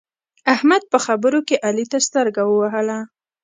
احمد په خبرو کې علي ته سترګه ووهله.